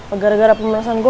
eh gara gara pemerasaan gua